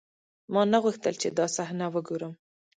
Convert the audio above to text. ما نه غوښتل چې دا صحنه وګورم.